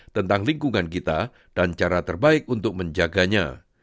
tentang lingkungan kita dan cara terbaik untuk menjaganya